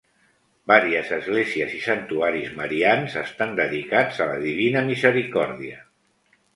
Vàries esglésies i santuaris marians estan dedicats a la Divina Misericòrdia.